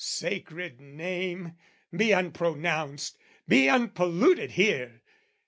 sacred name, Be unpronounced, be unpolluted here!